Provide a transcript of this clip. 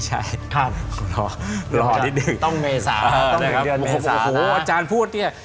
ยังไม่ใช่